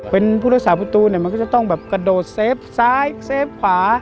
เป็นผู้รักษาประตูเนี่ยมันก็จะต้องแบบกระโดดเซฟซ้ายเฟฟขวา